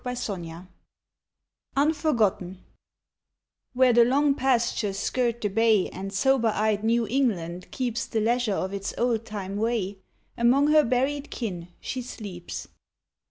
68 UNFORGOTTEN UNFORGOTTEN WHERE the long pastures skirt the bay And sober eyed New England keeps The leisure of its old time way, Among her buried kin, she sleeps.